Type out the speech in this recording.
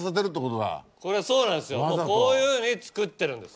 こういうふうに作ってるんです。